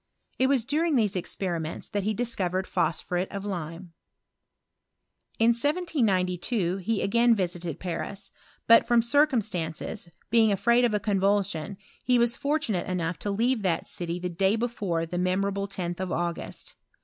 It was during these exp ments that he discovered phosphuretof lime. i In 1792 he again visited Paris ; but, from circ* stances, being afraid of a couvulsion, he was I tunate enough to leave that city the day before'. memorable 10th of August.